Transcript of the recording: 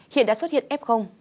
hiện đã xuất hiện f